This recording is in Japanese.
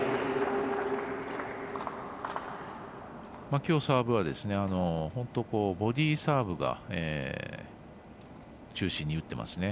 きょうサーブはボディーサーブを中心に打ってますね。